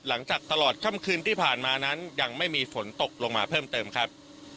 หลังจากตลอดค่ำคืนที่ผ่านมานั้นยังไม่มีฝนตกลงมาเพิ่มเติมครับ